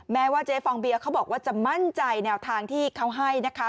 แม้ว่าเจ๊ฟองเบียเขาบอกว่าจะมั่นใจแนวทางที่เขาให้นะคะ